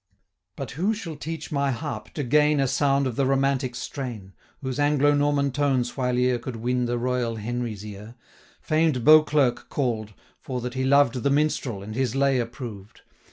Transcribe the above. But who shall teach my harp to gain A sound of the romantic strain, Whose Anglo Norman tones whilere Could win the royal Henry's ear, 140 Famed Beauclerk call'd, for that he loved The minstrel, and his lay approved?